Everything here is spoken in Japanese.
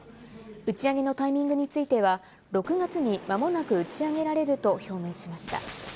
打ち上げのタイミングについては６月にまもなく打ち上げられると表明しました。